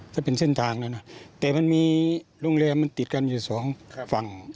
ถ้าเป็นเส้นทางแล้วนะแต่มันมีโรงแรมมันติดกันอยู่สองฝั่ง